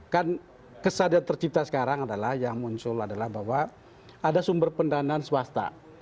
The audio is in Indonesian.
kan kesadaran tercipta sekarang adalah yang muncul adalah bahwa ada sumber pendanaan swasta